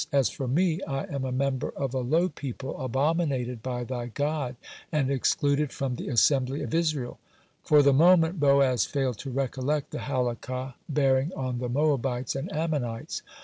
As for me, I am a member of a low people, abominated by thy God, and excluded from the assembly of Israel." For the moment Boaz failed to recollect the Halakah bearing on the Moabites and Ammonites.